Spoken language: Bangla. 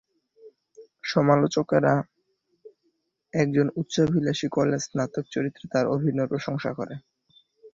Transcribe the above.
সমালোচকেরা একজন উচ্চাভিলাষী কলেজ স্নাতক চরিত্রে তার অভিনয়ের প্রশংসা করে।